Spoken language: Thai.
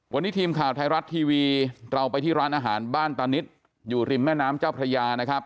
วันนี้ทีมข่าวไทยรัฐทีวีเราไปที่ร้านอาหารบ้านตานิดอยู่ริมแม่น้ำเจ้าพระยานะครับ